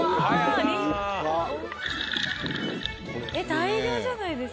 大漁じゃないですか。